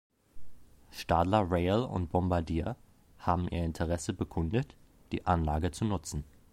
Stadler Rail und Bombardier haben ihr Interesse bekundet, die Anlage zu nutzen.